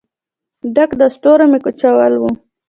ډک د ستورو مې کچکول و